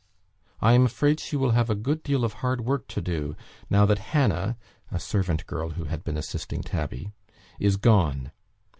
I am afraid she will have a good deal of hard work to do now that Hannah" (a servant girl who had been assisting Tabby) "is gone.